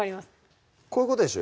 こういうことでしょ